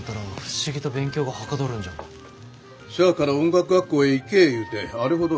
しゃあから音楽学校へ行けえ言うてあれほど。